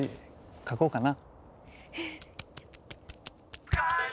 書こうかな。